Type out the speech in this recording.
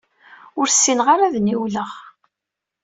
Ur ssineɣ ara ad niwleɣ!